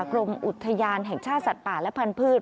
กรมอุทยานแห่งชาติสัตว์ป่าและพันธุ์